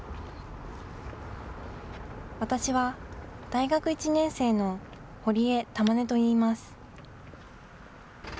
私は、大学１年生の堀江珠音といいます。